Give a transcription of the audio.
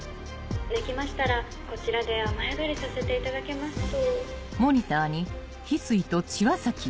できましたらこちらで雨宿りさせていただけますと。